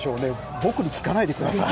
僕に聞かないでください。